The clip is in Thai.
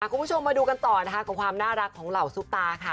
คุณผู้ชมมาดูกันต่อนะคะกับความน่ารักของเหล่าซุปตาค่ะ